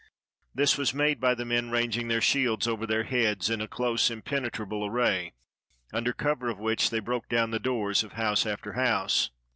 This was made by the men ranging their shields over their heads in a close impenetrable array, under cover of which they broke down the doors of house after house.